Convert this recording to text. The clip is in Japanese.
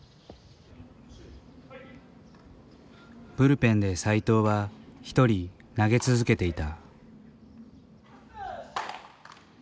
ブルペンで斎藤は一人投げ続けていた。